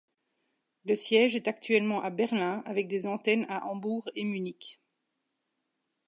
Le siège est actuellement à Berlin avec des antennes à Hambourg et Munich.